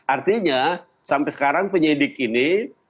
artinya sampai sekarang penyidik ini